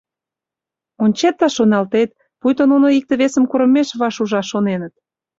Ончет да шоналтет, пуйто нуно икте-весым курымеш ваш ужаш шоненыт.